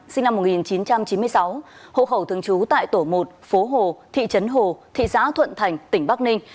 sinh năm một nghìn chín trăm chín mươi sáu hộ khẩu thường trú tại tổ một phố hồ thị trấn hồ thị xã thuận thành tỉnh bắc ninh